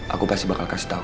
aku pasti bakal kasih tau